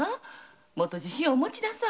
もっと自信をお持ちなさい。